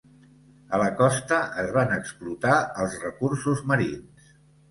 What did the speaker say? A la costa es van explotar els recursos marins.